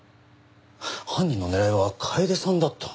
犯人の狙いは楓さんだった？